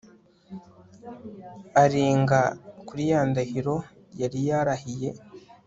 arenga kuri ya ndahiro yari yarahiye